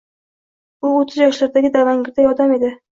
U o`ttiz yoshlardagi davangirday odam edi